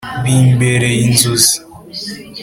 bi mbereye i nzozi.